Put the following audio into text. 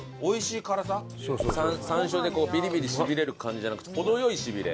山椒でビリビリしびれる感じじゃなくて程良いしびれ。